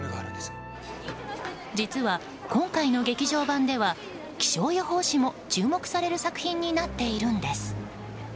実は今回の劇場版では気象予報士も注目される作品になっているんです。